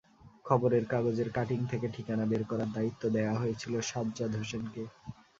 খবরের কাগজের কাটিং থেকে ঠিকানা বের করার দায়িত্ব দেয়া হয়েছিল সাজ্জাদ হোসেনকে।